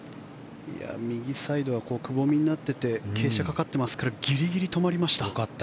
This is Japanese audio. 右サイドはくぼみになってて傾斜がかかっていますからギリギリ止まりました。